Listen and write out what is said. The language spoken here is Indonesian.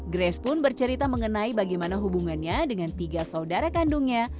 grace pun bercerita mengenai bagaimana hubungannya dengan tiga saudara kandungnya